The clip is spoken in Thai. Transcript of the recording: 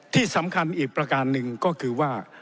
ที่สำคัญอีกประการหนึ่งก็คือว่า